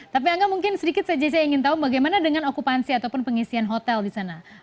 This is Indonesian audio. tapi angga mungkin sedikit saja saya ingin tahu bagaimana dengan okupansi ataupun pengisian hotel di sana